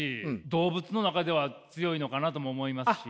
動物の中では強いのかなとも思いますし。